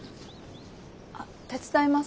あっ手伝います。